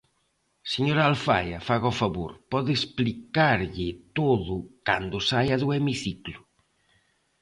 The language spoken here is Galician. Señora Alfaia, faga o favor, pode explicarlle todo cando saia do hemiciclo.